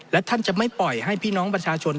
และท่านจะไม่ปล่อยให้พี่น้องประชาชน